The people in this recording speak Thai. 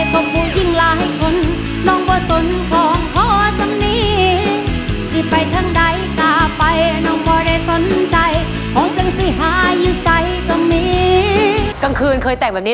กลางคืนเคยแต่งแบบนี้